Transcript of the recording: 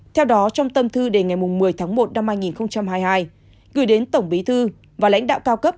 theo đó trong tâm thư đề ngày một mươi một hai nghìn hai mươi hai gửi đến tổng bí thư và lãnh đạo cao cấp